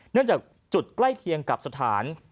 จากจุดใกล้เคียงกับสถาน